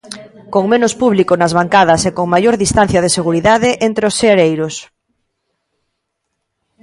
Con menos público nas bancadas e con maior distancia de seguridade entre os seareiros.